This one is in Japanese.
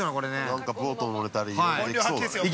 ◆なんかボート乗れたりいろいろできそうだね。